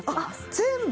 全部？